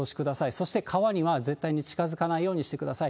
そして川には絶対に近づかないようにしてください。